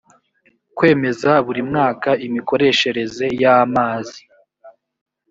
kwemeza buri mwaka imikoreshereze yamazi